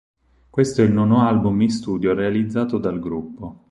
Questo è il nono album in studio realizzato dal gruppo.